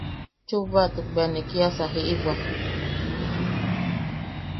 Chubbatuk bea ne kiasa jiʼibwa.